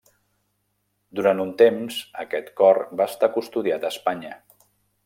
Durant un temps, aquest cor va estar custodiat a Espanya.